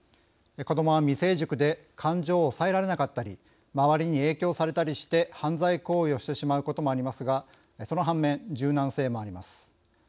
子どもは未成熟で感情を抑えられなかったり周りに影響されたりして犯罪行為をしてしまうこともありますがその反面柔軟性もあります。